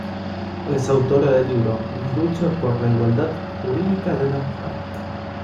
Es autora del libro "Mi lucha por la igualdad jurídica de la mujer".